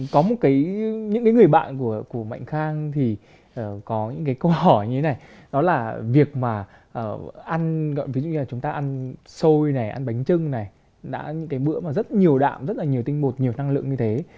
có một cái những người bạn của mạnh khang thì có những cái câu hỏi như thế này đó là việc mà ăn gọi ví dụ như là chúng ta ăn xôi này ăn bánh trưng này đã những cái bữa mà rất nhiều đạm rất là nhiều tinh bột nhiều năng lượng như thế